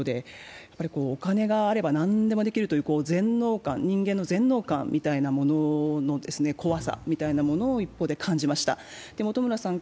お金があれば何でもできるという人間の全能感みたいなものの怖さを一方が感じました。